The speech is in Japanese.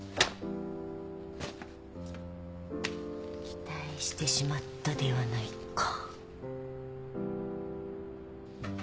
期待してしまったではないか。